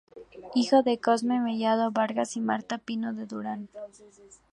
Hijo de Cosme Mellado Vargas y Marta Pino Durán.